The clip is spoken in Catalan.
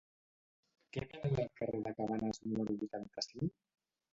Què venen al carrer de Cabanes número vuitanta-cinc?